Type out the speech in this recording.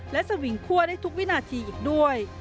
และสวิงคั่วได้ทุกวินาทีอีกด้วย